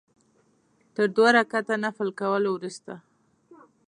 تر دوه رکعته نفل کولو وروسته.